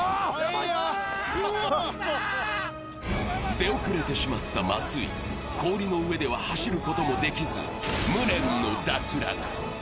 出遅れてしまった松井、氷の上では走ることもできず、無念の脱落。